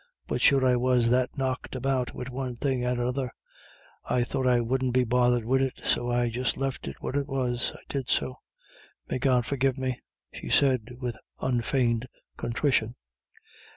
But sure I was that knocked about wid one thing and another, I thought I wouldn't be bothered wid it, so I just left it where it was, I did so may God forgive me," she said, with unfeigned contrition.